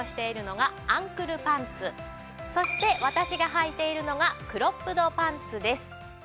そして私がはいているのがクロップドパンツです。